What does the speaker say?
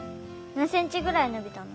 何センチぐらいのびたの？